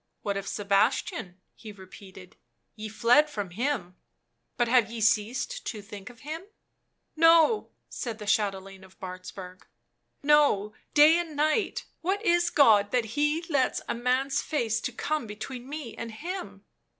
" What of Sebastian?" he repeated. " Ye fled from him, but have ye ceased to think of him?" "No," said the chatelaine of Martzburg; "no, day and night — what is God, that He lets a man's face to come between me and Him?"